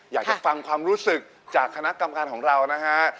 อยากจะฟังความรู้สึกจากคณะกรรมการของเรานะฮะ